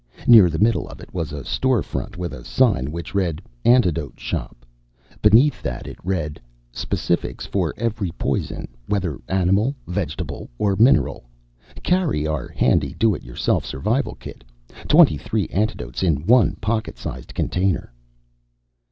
Near the middle of it was a store front with a sign which read: ANTIDOTE SHOP. Beneath that it read: _Specifics for every poison, whether animal, vegetable, or mineral. Carry our handy Do It Yourself Survival Kit. Twenty three antidotes in one pocket sized container!